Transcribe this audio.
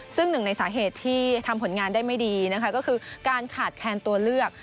ซึ่งหนึ่งในสาเหตุที่ทำผลงานได้ไม่ดีนะคะก็คือการขาดแคนตัวเลือก